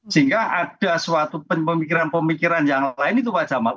sehingga ada suatu pemikiran pemikiran yang lain itu pak jamal